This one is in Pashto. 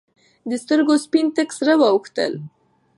د سترګو سپین تک سره واوختېدل.